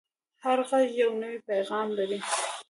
هر غږ یو نوی پیغام لري